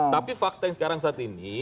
tapi fakta yang sekarang saat ini